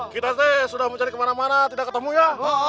kita teh sudah mencari kemana mana tidak ketemu ya